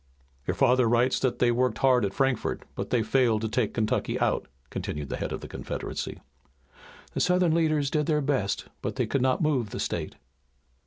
"Your father writes that they worked hard at Frankfort, but that they failed to take Kentucky out," continued the head of the Confederacy. "The Southern leaders did their best, but they could not move the state."